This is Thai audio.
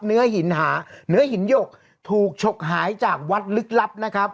เนื้อหินหาเนื้อหินหยกถูกฉกหายจากวัดลึกลับนะครับ